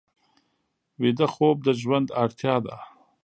ویده خوب د ژوند اړتیا ده